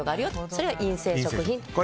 それが陰性食品。